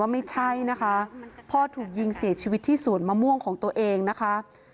ไม่ใช่นะคะพ่อถูกยิงเสียชีวิตที่สวนมะม่วงของตัวเองนะคะ